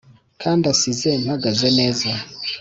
kandi ansize mpagaze neza,